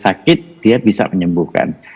sakit dia bisa menyembuhkan